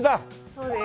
そうです。